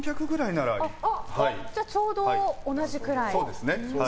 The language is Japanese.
じゃあ、ちょうど同じくらい。